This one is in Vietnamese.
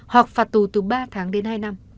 hoặc phạt tù từ ba tháng đến hai năm